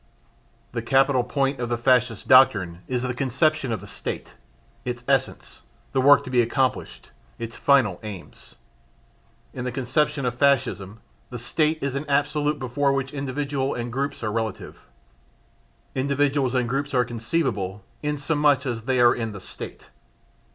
The capital point of the Fascist doctrine is the conception of the State, its essence, the work to be accomplished, its final aims. In the conception of Fascism, the State is an absolute before which individuals and groups are relative. Individuals and groups are "conceivable" inasmuch as they are in the State.